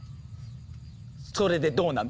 それでどうなの？